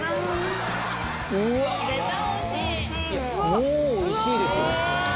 もうおいしいですよね。